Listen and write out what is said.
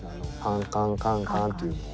カンカンカンカンっていうの。